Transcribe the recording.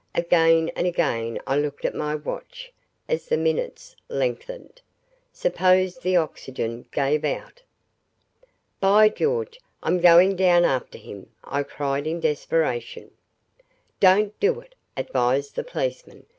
Again and again I looked at my watch as the minutes lengthened. Suppose the oxygen gave out? "By George, I'm going down after him," I cried in desperation. "Don't do it," advised the policeman.